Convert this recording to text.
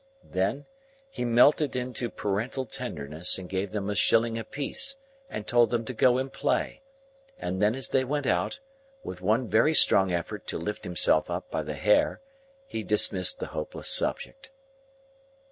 Then, he melted into parental tenderness, and gave them a shilling apiece and told them to go and play; and then as they went out, with one very strong effort to lift himself up by the hair he dismissed the hopeless subject.